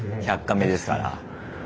「１００カメ」ですから。